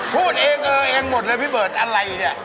พูดเองเออเองหมดเลยพี่เบิร์ตอะไรเนี่ย